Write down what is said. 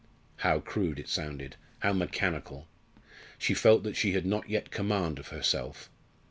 How crude it sounded how mechanical! She felt that she had not yet command of herself.